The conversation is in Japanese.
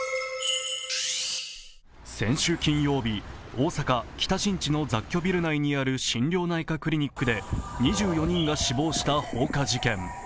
先週金曜日、大阪・北新地の雑居ビル内にある心療内科クリニックで２４人が死亡した放火事件。